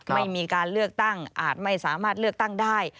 ไม่มีการเลือกตั้งอาจไม่สามารถเลือกตั้งได้